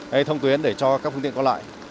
hay thông tuyến để cho các phương tiện có lại